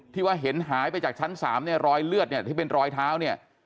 ว่าเห็นหายไปจากชั้น๓เนี่ยรอยเลือดเนี่ยที่เป็นรอยเท้าเนี่ย